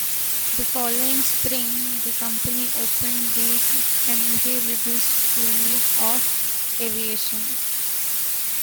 The following spring, the company opened the Embry-Riddle School of Aviation.